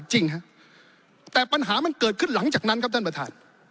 จริงฮะแต่ปัญหามันเกิดขึ้นหลังจากนั้นครับท่านประธาน